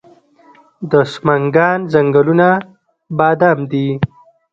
د سمنګان ځنګلونه بادام دي